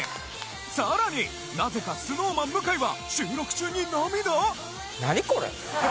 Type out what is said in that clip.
さらに何故かＳｎｏｗＭａｎ向井は収録中に涙！？